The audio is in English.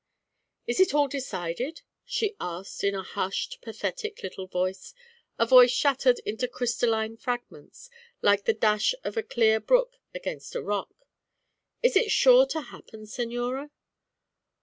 "It is all decided?" she asked in a hushed, pathetic little voice, a voice shattered into crystalline fragments, like the dash of a clear brook against a rock. "It is sure to happen, señora?"